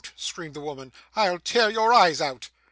screamed the woman. 'I'll tear your eyes out!